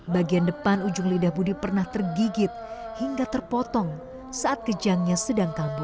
bagian depan ujung lidah budi pernah tergigit hingga terpotong saat kejangnya sedang kabur